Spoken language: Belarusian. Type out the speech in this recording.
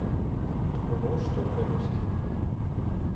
Не было што грэбсці!